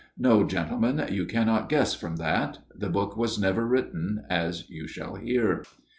" No, gentlemen, you cannot guess from that. The book was never written, as you shall hear."